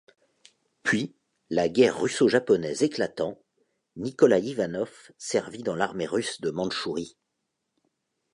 Puis, la Guerre russo-japonaise éclatant, Nikolaï Ivanov servit dans l'armée russe de Mandchourie.